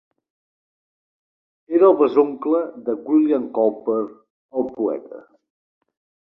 Era el besoncle de William Cowper, el poeta.